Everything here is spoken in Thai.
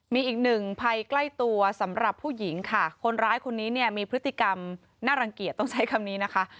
มีอีกหนึ่งภัยใกล้ตัวสำหรับผู้หญิงค่ะคนร้ายคนนี้เนี่ยมีพฤติกรรมน่ารังเกียจต้องใช้คำนี้นะคะ